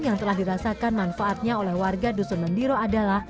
yang telah dirasakan manfaatnya oleh warga dusun mendiro adalah